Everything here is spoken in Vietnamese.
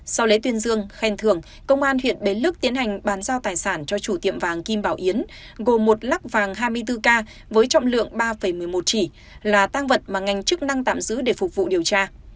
sau lễ tuyên dương khen thưởng công an huyện bến lức tiến hành bàn giao tài sản cho chủ tiệm vàng kim bảo yến gồm một lắc vàng hai mươi bốn k với trọng lượng ba một mươi một chỉ là tăng vật mà ngành chức năng tạm giữ để phục vụ điều tra